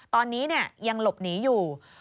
ตอนนี้ยังหลบหนีอยู่